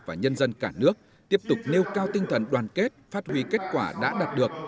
và nhân dân cả nước tiếp tục nêu cao tinh thần đoàn kết phát huy kết quả đã đạt được